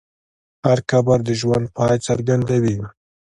هر قبر د ژوند پای څرګندوي.